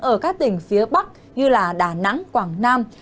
ở các tỉnh phía bắc như đà nẵng quảng nam